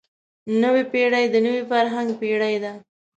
نوې پېړۍ د نوي فرهنګ پېړۍ ده.